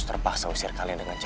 kebanyakan sandi airnya